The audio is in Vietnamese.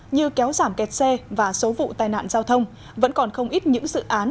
như kéo giảm kẹt xe và số vụ tai nạn giao thông vẫn còn không ít những dự án